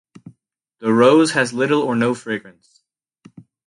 The rose has little or no fragrance.